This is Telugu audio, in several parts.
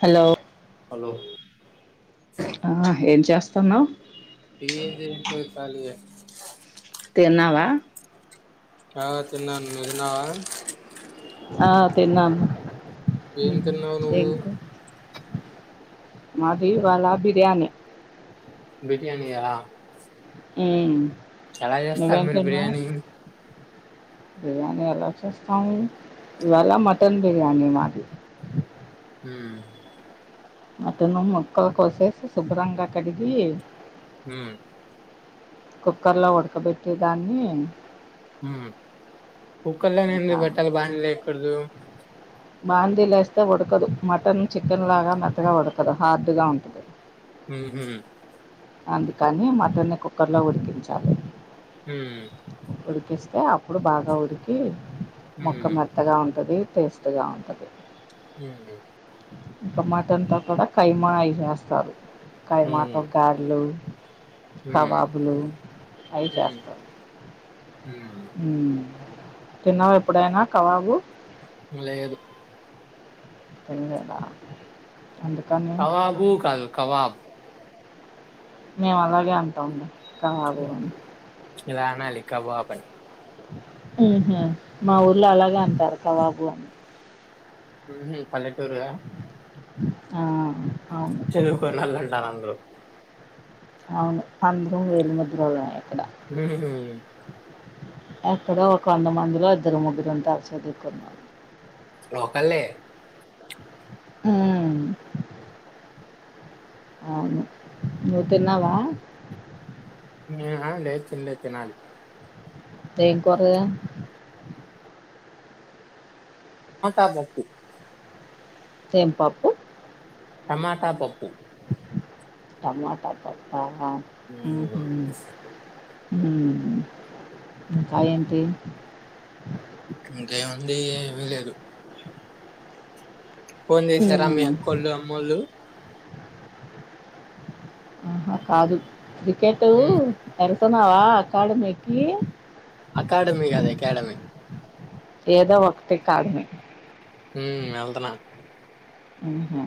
హలో హలో ఆ ఏం చెస్ తున్నావు ఎంది ఇంకా ఖాళీగా తిన్నావా. ఆ తిన్నాను నువ్వు తిన్నావా. ఆ తిన్నాను. ఏం తిన్నావు నువ్వు. ఏం కూర మాది ఇవాళ బిర్యానీ. బిర్యానీ ఆ ఉ ఏలా చేస్తారు మీరు బిర్యానీ. బిర్యానీ ఎలా చేస్తాము. ఇవాళ మటన్ బిర్యానీ మాది మ్మ్ మటన్ ముక్కలు కోసేసి శుభ్రంగా కడిగి మ్మ్ కుక్కర్లో ఉడకబెట్టే దాన్ని కుక్కర్లో ఇంకా ఎందుకు పెట్టాలి బాందీలో వేయాకూడదు బాందీ లేస్తే ఉడకదు మటన్ చికెన్ లాగా మెత్తగా ఉడకదు హార్డ్గా ఉంటాది మ్ హు అందుకని మటన్ని కుక్కర్లో ఉడికించాలి మ్మ్ ఉడికిస్తే అప్పుడు బాగా ఉడికి ముక్క మ్మ్ మెత్తగా ఉంటది టేస్ట్ గా ఉంటది మ్మ్ ఇంకా మాటన్ తో కూడా కైమాయి చేస్తారు కైమాతో మ్మ్ గార్లు మ్మ్ కబాబులు అయి మ్మ్ చేస్తారు మ్మ్ తిన్నవా ఎప్పుడైనా కబాబు లేదు తిన్లేదా కాబాబు కాదు కవబ్ మేం అలాగే అంటాం కబాబుని ఇలా అనాలి కాబాబు అని హు మా ఊళ్లో అలాగే అంటారు కవాబు అని మ్ హ పల్లెటూరు క ఆ అ చదువుకొనళ్ళ ఉంటారు అందరూ అవును అందరం వేలుముద్రో లాయ్ మ్ హ హ ఎక్కడో ఒక వంద మందిలో ఇద్దరు ముగ్గురు ఉంటారు చదుకున్న లోకల్లే మ్ అవును నువు తిన్నావా హ్ హ లేదు తినలేదు తినాలి దెం కురగ మాట్బ ఎం పప్పు టమాట పప్పు టమాట పప్పా హ మ్ హు మ్ రాయంటే ఇంకా ఏముంది ఏమి లేదు ఫోన్ చేసార మీ మ్మ్. అక్కోళ్ళు అమ్మోళ్ళు ఆహా కాదు క్రికెట్ ఎరసన ఆ అకాడమీకి అకాడమి గదె అకాడమి ఏదో ఒకటి కాదుమి హు వెళ్తనా ఆహా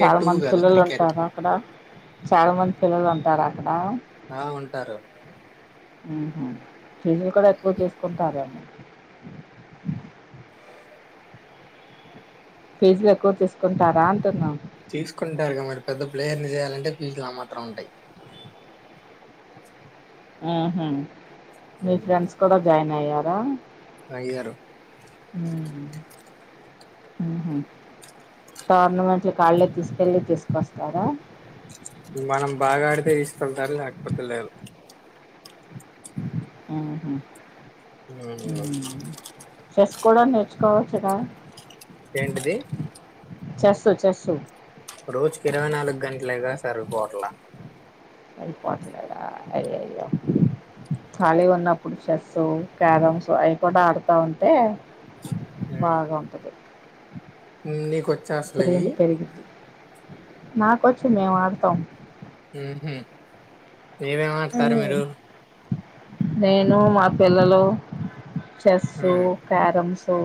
చాలా టూ మంది కాదు పిల్లలు క్రికెట్ ఉంటార అక్కడ చాలా మంది పిల్లలు ఉంటార అక్కడ ఆ ఉంటారు ఉహూ ఫీజులు కూడా ఎక్కువ తీసుకుంటార ఫీజులు ఎక్కువ తీసుకుంటారా అంటున్నా తీసుకుంటారుగా మరి పెద్ద ప్లేయర్ని చేయాలంటే ఫీజులు ఆ మాత్రం ఉంటాయి ఆహ మీ ఫ్రెండ్స్ కూడా జాయిన్ అయ్యా ఆ హ అయ్యారు ఉమ్ హు టోర్నమెంట్ల కాళ్ళే తీసుకెళ్ళి తీసుకొస్తారా మనం బాగా ఆడితే తీసుకెళ్తారు లేకపోతే లేదు ఆహు హ చెస్ కూడా నేర్చుకోవచ్చుగ ఏంటిది చెస్తు చెస్ రోజుకి ఇరవై నాలుగు గంటలేగా సరిపోట్లా అయిపోవట్లేద అయ అయో ఖాళీ ఉన్నప్పుడు చెస్సు క్యారమ్స్ అవి కూడా ఆడుతూ ఉంటే బాగా ఉంటది న కొ ఇప్పుేడి పెరిగితి నాకొచ్చి మేం ఆడతాం ఆహ ఏమేమిమంటతారు మ్మ్. మీరు నేను మా పిల్లలు చెస్సు క్యారమ్స్ స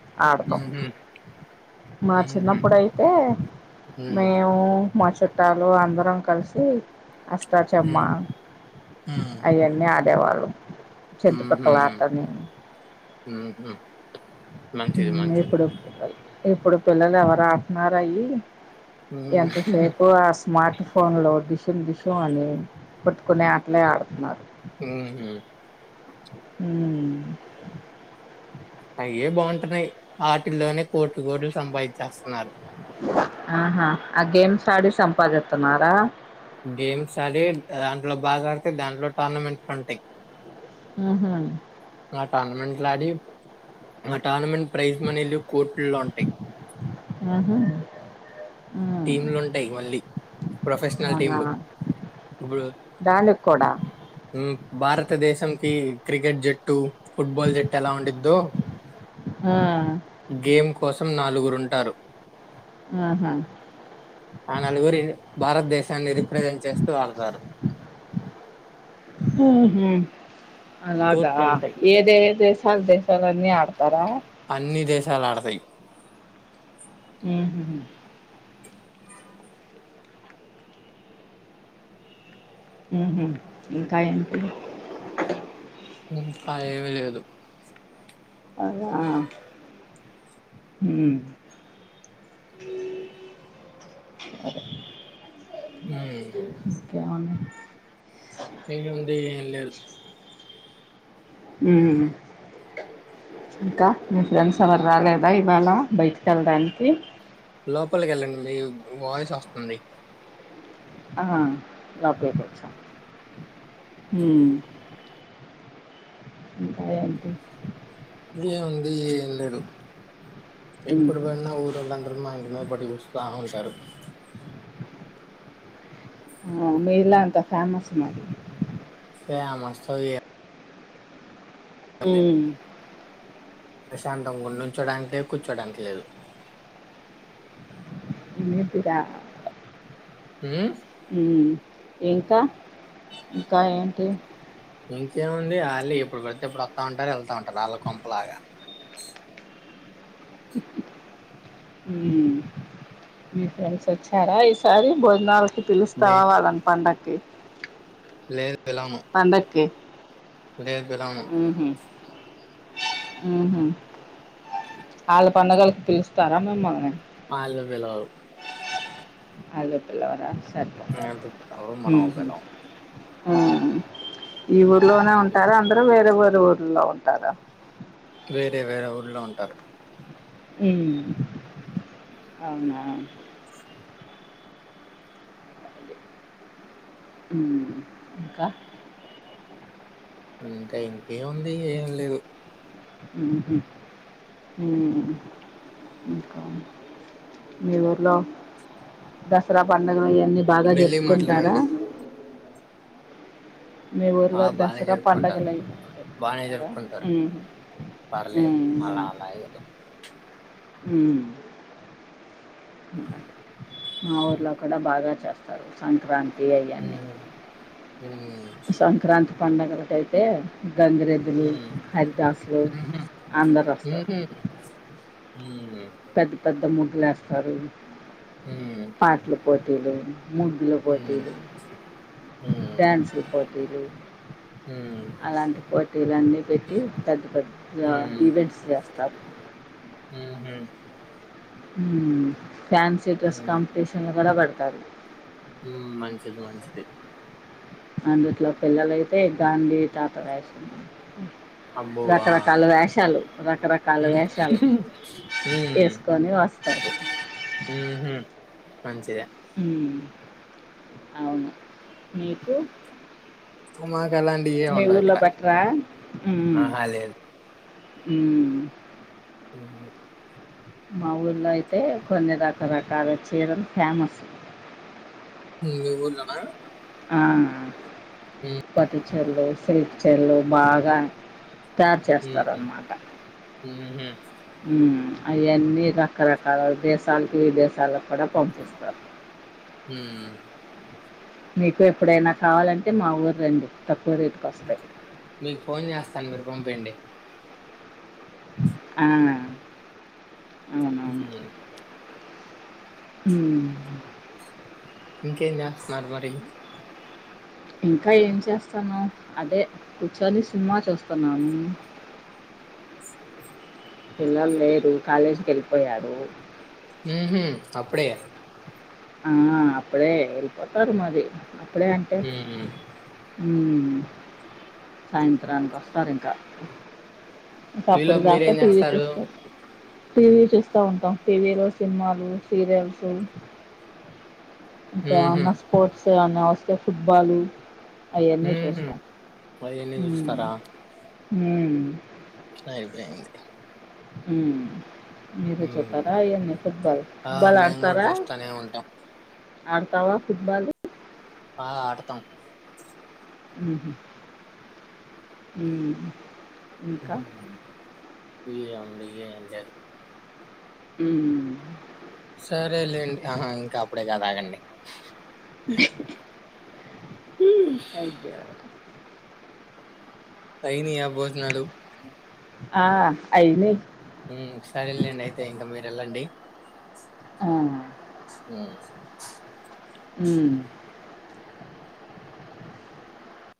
హ మా చిన్నప్పుడుయితే హ్మ్. మేము కుంకుమ చుట్టాలు అందరం కలిసి హ్మ్. అస్తార్చమ్మ హ్మ్. అవన్నీ ఆ దవాలు చింతపక్కల ఆటను మ్మ్ హ్మ్ ఎప్పుడు ఇప్పుడు పిల్లలు ఎవరు హాఫ్ అన్ అవర్ అయ్యి హ్మ్. ఎంతసేపు ఆ స్మార్ట్ ఫోన్లో డిషుం డిష్యుం అని కొట్టుకునే ఆటలే ఆడుతున్నారు మ్మ్ హ్మ్ ఉహుం అయే బాగుంటున్నాయి వాటిల్లోనే కోట్లు కోట్లు సంపాయించేస్తున్నారు ఆహా ఆ గేమ్స్ ఆడి సంపాదిత్తున్నారా గేమ్స్ ఆడేగ్ రాన్ లో బాగా ఆడితే దాంట్లో టోర్నమెంట్ ఉంటయ్ ఉహుమ్మ్ ఆ టోర్నమెంట్లాడి ఆ టోర్నమెంట్ ప్రైజ్ మనీలు కోట్లుల్లో ఉంటయ్ ఆహా టీమ్లుంటాయ్ మళ్ళీ ప్రొఫెషనల్ టీమ్ అవునా లు, ఇప్పుడు దానికి కూడా మ్ భారతదేశం కి క్రికెట్ జ ట్టు ఫుట్బాల్ జట్ ఎలా ఉండిద్దో హా గేమ్ కోసం నాలుగురుంటారు మ్హూ ఆ నలుగురి భారతదేశాన్ని రిప్రజెంట్ చేస్తూ ఆళ్తారు. మ్హూ అలాగా ఏదేదో ఎస్ హల్ దేశాలన్నీ ఆడుతరా అన్ని దేశాల్ ఆడతాయ్ హ్మ్ హు హ్మ్ హు ఇంకా ఏంటి ఇంకా లేవలేదు అయ్యో ఆ హ్మ్ సరే హేయ్ కేవన్నా వీలు ఉండి ఏం లేదు మ్మ్ ఇంకా మీ ఫ్రెండ్స్ ఎవరు రాలేదా ఇవాళ బయటికి వెళ్ళడానికి లోపలికి వెళ్ళండి మీ వాయిస్ వస్తుంది ఆ లోపల్ కొచ్చా హ్మ్ ఇంకా ఏంటి ఏం ఉంది ఏ లేదు ఎప్పుడు ఉహు. పోయినా ఊరళ్ళందరూ మా ఇంటి మీద పడిస్తాంట కరు మేలా అంతా ఫేమస్ మరి ఏం వస్తాదో ఏమో అ ప్రశాంతం నుంచోడానికిలే కూర్చోడానికి లేదు అదిరా హ ఇంకా ఇంకాంట ఇంకేముంది వాళ్ళ ఇప్పుడు పెడితే ఇప్పుడు వస్తా ఉంటారు వెళ్తా ఉంటారు వాళ్ళకొంపలాగా చారా ఈ సారి భోజనాలు దే పిలుస్తావా వాళ్ళని పంండగ ఓకే లేదు వెలామ లేదు పలాను ఉహు. వాళ్ళ పడుగలకు పిలుస్తారా మేమ్మని ఆ అల అలో పల్లవరా అది అర మనంపలం ఆ ఈ ఊర్లోనే ఉంటారు అందరుూ వేరే పల్లు ఊరులో ఉంటారు వేరే వేరే ఊళ్ళ ఉంటారు అవునా అవును ఇంకా అంటే ఇంకేముంది ఏం లేదు మీ ఊర్లో దసరా పండగలు అన్ని బాగా మెల్లిగా జరుపుకుంటారా మాట్లాడండి మీ ఆ ఊరుగా బానే దసరా జరుపుకుంటారు బానే పడుగలంటారా జరుపుకుంటారు హ పర్లేదు అలా అలా ఏదో మా ఊర్లో కూడా బాగా చేస్తారు సంక్రాంతి ఏ అయ ఉమ్ ఉమ్ సంక్రాంతి పండగల అయితే గంగిరెడ్దులు ఉమ్ హరిదాసులు అందరు వస్తారు ఉ పెద్ద పెద్ద ముడు లేస్తారు ఉమ్ పాటల పోటీలు ముగ్గుల ఉమ్ పోటీలు ఉమ్ డ్యాన్సుల పోటీలు ఉమ్ ఉమ్ అలాంటి పోటీలు అన్నీ పెట్టి పెద్ద పెద్ద ఈవెంట్స్ చేస్తారు హ హ ఫ్యాన్స డెస్ ఉమ్ కాంపిటిషన్రడు త మంచిది మంచిది అందుట్లో పిల్లలైతే గాంధీ తాత వేసిన్నారు అబ్బో ఆ రకరకాల వేషాలు రకరకాల ఉమ్ వేషాలు ఉమ్ వేసుకొని వస్తారు ఉహుం మంచిదే అవును మీకు మాకు అలాంటివి ఏం మీ ఉండవు ఊర్లో ఇక్కడ పెట్టరా ఆహా లేదు అ అ మా ఊర్లో అయితే కొన్ని రకరకాల చీరలు ఫేమస్ బా ఆ పటి చల్ వయ సిల్చర్లు బాగా తయారు హ్మ్, చేస్తారన్నమాట మ్హూ, అవి అన్నీ రకరకాల దేశాలకు విదేశాలకు అక్కడ పంపిస్తారు హ్మ్. మీకు ఎప్పుడైనా కావాలంటే మా ఊరు రండి తక్కు మీకు ఫోన్ చేస్తాను మీరు పంపిండి ఆ హ అ ఇంకేం చేస్తున్నారు మరి ఇంకా ఏం చేస్తాను అదే కూర్చొని సినిమా చూస్తున్నాము పిల్లలు లేరు కాలేజీకి వెళ్ళిపోయారు హ అప్పుడే ఆ అప్పుడే ఎలిపోతారు మారీ అప్పుడే అంటే హ్మ్. సాయంత్రానికి వస్తారు ఇంకా ఇంకా అప్పుడు ఈలోపు దాకా మీరేం టీవీ చేస్తారు చూస్తారు టీవీ చూస్తూ ఉంటాం టీవీలో సినిమాలు సీరియల్స్ మ్హూ, ఇంకాేమన్నా స్పోర్ట్స్ ఇంకేమైనా వస్తే ఫుట్బాల్ అవన్నీ మ్హూ. చూస్తాం అవన్నీ చూస్తారా హ అయిపోయింది అ మీరు చెప్పరా హ్మ్. ఏన్ని [unintelligible] ఫుట్బాల్ ఆ, ఫుట్బాల్ మేము కూడా ఆడతారా చూస్తూనే ఉంటాం ఆడతావా ఫుట్బాల్ ఆ ఆడతాం ఆ హ్ హ్ ఇంకా ఏముంది ఏం లేదు ఉ సరేలేండి ఆహా, ఊ అగే [unintelligible] అయినా భోజనాలు ఆ అయినయి హ్మ్, ఆ! ఏ అ